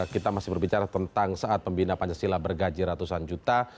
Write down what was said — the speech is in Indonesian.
kita masih berbicara tentang saat pembina pancasila bergaji ratusan juta